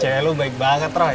cewek lo baik banget roy